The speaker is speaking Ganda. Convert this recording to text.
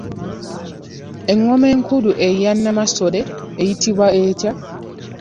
Engoma enkulu eya Nnamasole eyitibwa etya?